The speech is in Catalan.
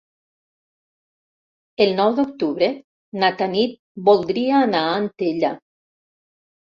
El nou d'octubre na Tanit voldria anar a Antella.